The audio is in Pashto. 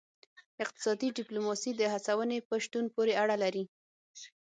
اقتصادي ډیپلوماسي د هڅونې په شتون پورې اړه لري